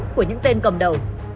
của những tên cầm đầu